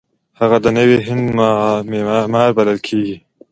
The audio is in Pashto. هغه د نوي هند معمار بلل کیږي.